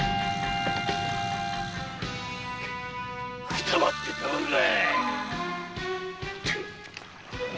くたばってたまるか！